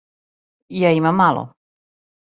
Ја имам мало.